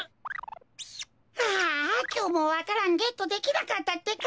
ああきょうもわか蘭ゲットできなかったってか。